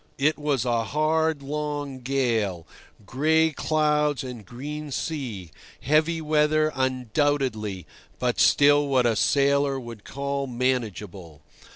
It was a hard, long gale, gray clouds and green sea, heavy weather undoubtedly, but still what a sailor would call manageable.